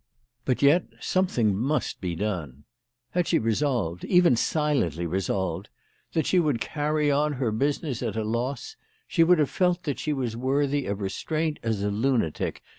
Jiut yet something must be done. Had she resolved, even silently resolved, that she would carry on her business at a loss, she would have felt that she was worthy of restraint as a lunatic.